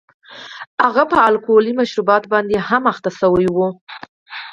هغه په الکولي مشروباتو باندې هم روږدی شوی و